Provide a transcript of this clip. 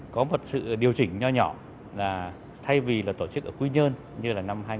có một sự điều chỉnh nhỏ nhỏ là thay vì là tổ chức ở quy nhơn như là năm hai nghìn một mươi